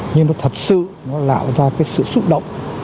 nhưng nó thật sự nó tạo ra cái sự xúc động